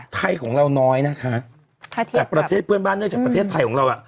ไทยของเราน้อยนะคะแต่ประเทศเพื่อนบ้านเนื่องจากประเทศไทยของเราอ่ะ